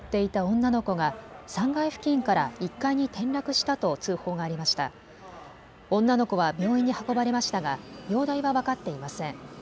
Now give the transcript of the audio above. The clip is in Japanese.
女の子は病院に運ばれましたが容体は分かっていません。